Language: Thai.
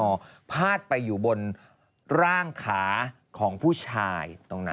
พอพาดไปอยู่บนร่างขาของผู้ชายตรงนั้น